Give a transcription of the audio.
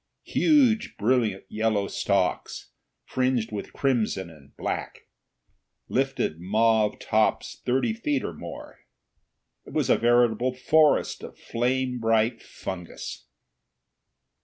Huge brilliant yellow stalks, fringed with crimson and black, lifted mauve tops thirty feet or more. It was a veritable forest of flame bright fungus.